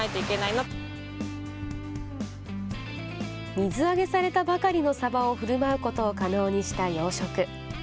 水揚げされたばかりのサバをふるまうことを可能にした養殖。